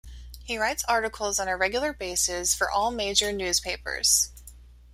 He writes article's on regular basis for all major News Paper's.